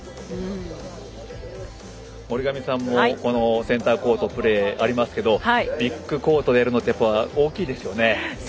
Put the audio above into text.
森上さんもセンターコートでのプレーがありますけれどもビッグコートでやるのってやっぱり大きいですよね。